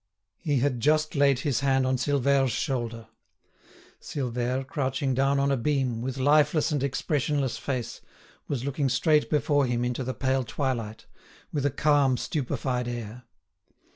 He had just laid his hand on Silvère's shoulder. Silvère, crouching down on a beam, with lifeless and expressionless face, was looking straight before him into the pale twilight, with a calm, stupefied air.